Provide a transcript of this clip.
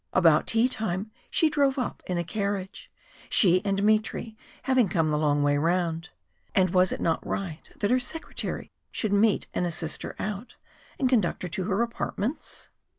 About tea time she drove up in a carriage she and Dmitry having come the long way round. And was it not right that her secretary should meet and assist her out, and conduct her to her apartments?